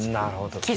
なるほど。